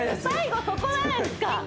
最後そこなんですか？